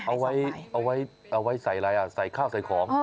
เอาไว้เอาไว้ใส่อะไรอ่ะใส่ข้าวใส่ของ